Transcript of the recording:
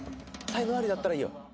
才能アリだったらいいよ。